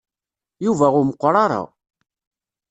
Yuba ur meqqer ara.